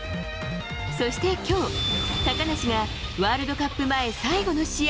そして今日、高梨がワールドカップ前最後の試合。